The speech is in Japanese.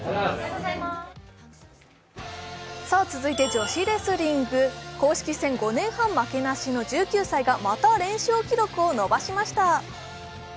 続いて女子レスリング、公式戦５年半負けなしの１９歳がまた連勝記録を伸ばしました。